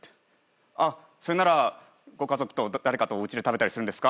「あっそれならご家族と誰かとおうちで食べたりするんですか？」